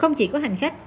không chỉ có hành khách